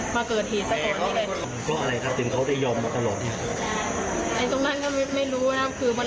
มาเกิดเหตุสักตอนนี้เลย